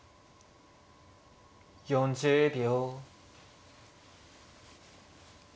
４０秒。